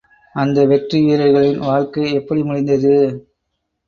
அந்த வெற்றி வீரர்களின் வாழ்க்கை எப்படி முடிந்தது?